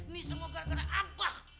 nih semua gara gara abah